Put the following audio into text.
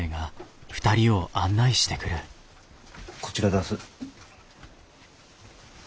こちらだす。